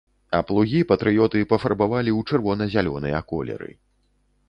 А плугі патрыёты пафарбавалі ў чырвона-зялёныя колеры.